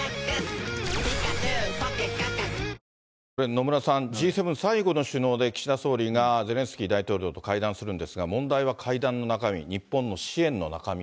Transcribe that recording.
野村さん、Ｇ７最後の首脳で、岸田総理がゼレンスキー大統領と会談するんですが、問題は会談の中身、日本の支援の中身。